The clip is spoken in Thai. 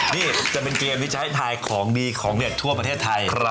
นี่จะเป็นเกมที่จะให้ทายของดีของเด็ดทั่วประเทศไทย